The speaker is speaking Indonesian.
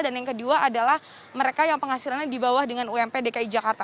dan yang kedua adalah mereka yang penghasilannya dibawah dengan ump dki jakarta